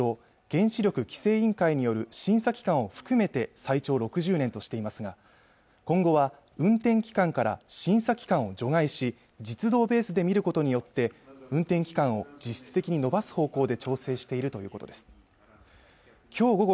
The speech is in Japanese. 原子力規制委員会による審査期間を含めて最長６０年としていますが今後は運転期間から審査期間を除外し実働ベースで見ることによって運転期間を実質的に延ばす方向で調整しているということです